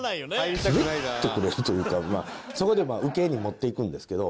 スベってくれるというかまあそこでウケに持っていくんですけど。